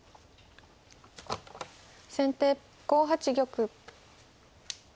先手５八玉。